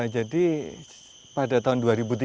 jadi pada tahun dua ribu tiga belas